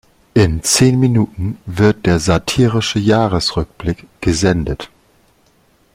In zehn Minuten wird der satirische Jahresrückblick gesendet.